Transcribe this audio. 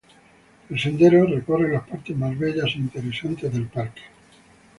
El sendero recorre las partes más bellas e interesantes del parque.